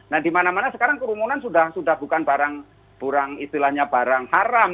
nah di mana mana sekarang kerumunan sudah bukan barang barang istilahnya barang haram